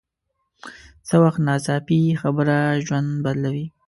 څه وخت ناڅاپي خبره ژوند بدلوي